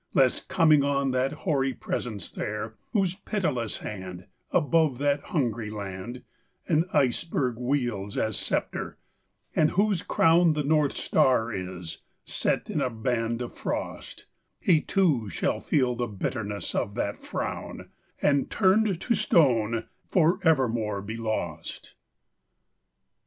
Lest coming on that hoary presence there, Whose pitiless hand, Above that hungry land, An iceberg wields as sceptre, and whose crown The North Star is, set in a band of frost, He, too, shall feel the bitterness of that frown, And, turned to stone, forevermore be lost.